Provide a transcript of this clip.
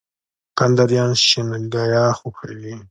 کندهاريان شينګياه خوښوي